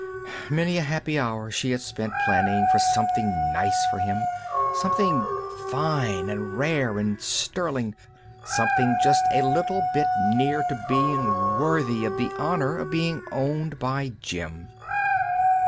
Many a happy hour she had spent planning for something nice for him. Something fine and rare and sterling—something just a little bit near to being worthy of the honor of being owned by Jim.